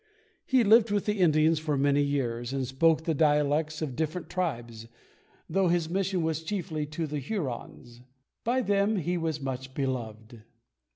He lived with the Indians for many years, and spoke the dialects of different tribes, though his mission was chiefly to the Hurons. By them he was much beloved.